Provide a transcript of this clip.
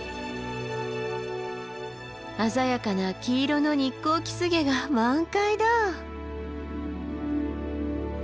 鮮やかな黄色のニッコウキスゲが満開だ。